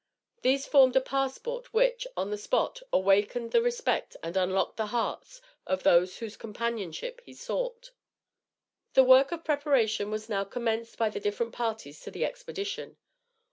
These formed a passport which, on the spot, awakened the respect and unlocked the hearts of those whose companionship he sought. The work of preparation was now commenced by the different parties to the expedition.